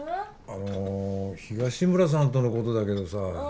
あの東村さんとのことだけどさあ